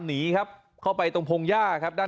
มีภาพจากกล้อมรอบหมาของเพื่อนบ้าน